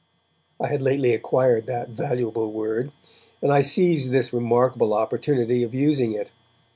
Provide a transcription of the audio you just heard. I had lately acquired that valuable word, and I seized this remarkable opportunity of using it.